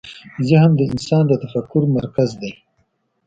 ذهن د انسان د تفکر مرکز دی.